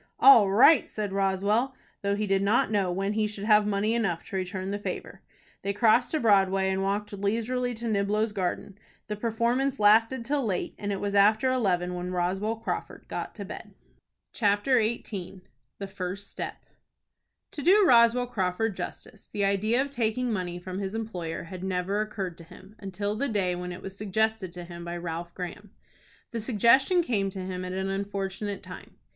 "All right!" said Roswell, though he did not know when he should have money enough to return the favor. They crossed to Broadway, and walked leisurely to Niblo's Garden. The performance lasted till late, and it was after eleven when Roswell Crawford got into bed. CHAPTER XVIII. THE FIRST STEP. To do Roswell Crawford justice, the idea of taking money from his employer had never occurred to him until the day when it was suggested to him by Ralph Graham. The suggestion came to him at an unfortunate time.